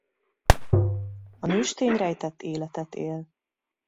A nőstény rejtett életet él.